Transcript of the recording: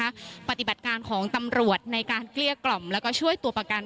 ปฏิบัติการของตำรวจในการเกลี้ยกล่อมแล้วก็ช่วยตัวประกัน